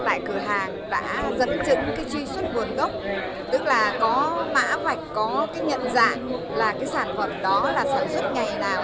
tại cửa hàng đã dẫn chứng cái truy xuất nguồn gốc tức là có mã vạch có cái nhận dạng là cái sản phẩm đó là sản xuất ngày nào